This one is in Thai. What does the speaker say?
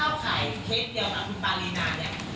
๒ล้านไล่ถ้าเข้าขายเคสเดียวมาคุณปริณาเนี่ย